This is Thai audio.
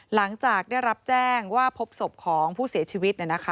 หลังจากได้รับแจ้งว่าพบศพของผู้เสียชีวิต